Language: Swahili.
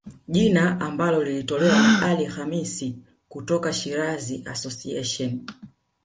Jina ambalo lilitolewa na Ali Khamis kutoka Shirazi Association